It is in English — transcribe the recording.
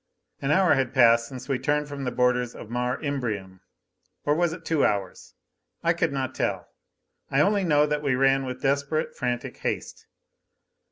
An hour had passed since we turned from the borders of Mare Imbrium. Or was it two hours? I could not tell. I only know that we ran with desperate, frantic haste.